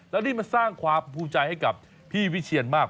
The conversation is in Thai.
แล้วนี่มันสร้างความภูมิใจให้กับพี่วิเชียนมาก